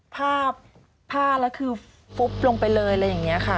ภาพผ้าแล้วคือปุ๊บลงไปเลยอะไรอย่างนี้ค่ะ